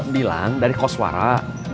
bilang dari koswara